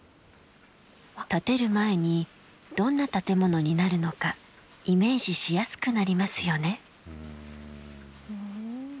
建てる前にどんな建物になるのか、イメージしやすくなりますよね。